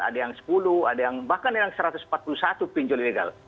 ada yang sepuluh ada yang bahkan yang satu ratus empat puluh satu pinjol ilegal